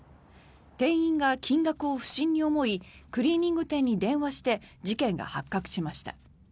店員が金額を不審に思いクリーニング店に連絡して事件が発覚しました。